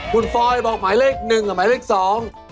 คุณฟอยบอกหมายเลขหนึ่งกับหมายเลขสอง